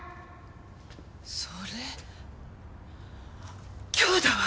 それ今日だわ！